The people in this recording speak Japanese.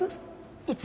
いつ？